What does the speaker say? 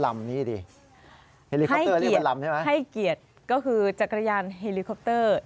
๑ลำนะครับ